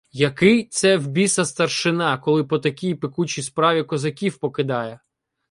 Який це в біса старшина, коли по такій "пекучій справі" козаків покидає.